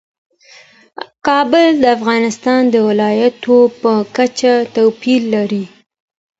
کابل د افغانستان د ولایاتو په کچه توپیر لري.